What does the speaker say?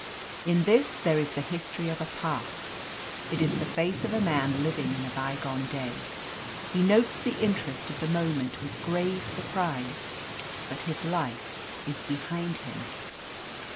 In this there is the history of a past, it is the face of a man living in a bygone day. He notes the interest of the moment with grave surprise, but his life is behind him.